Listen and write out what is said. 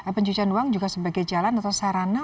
kita juga pencucian uang juga sebagai jalan atau sarana